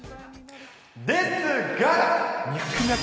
ですが。